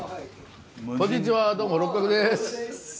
こんにちはどうも六角です。